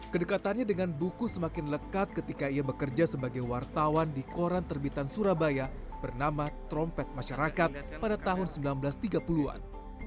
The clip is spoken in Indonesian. kedekatannya dengan buku semakin lekat ketika ia bekerja sebagai wartawan di koran terbitan surabaya bernama trompet masyarakat pada tahun seribu sembilan ratus tiga puluh an